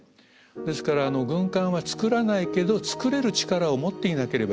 ですから軍艦は造らないけど造れる力を持っていなければいけない。